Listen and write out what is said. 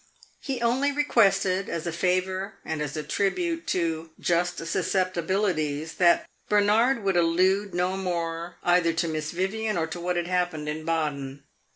He only requested, as a favor and as a tribute to "just susceptibilities," that Bernard would allude no more either to Miss Vivian or to what had happened at Baden.